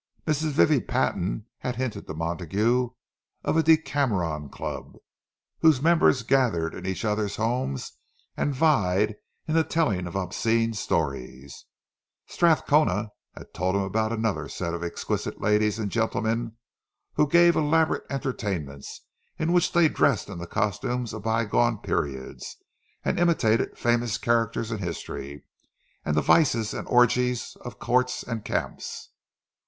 Mrs. Vivie Patton had hinted to Montague of a "Decameron Club," whose members gathered in each others' homes and vied in the telling of obscene stories; Strathcona had told him about another set of exquisite ladies and gentlemen who gave elaborate entertainments, in which they dressed in the costumes of bygone periods, and imitated famous characters in history, and the vices and orgies of courts and camps.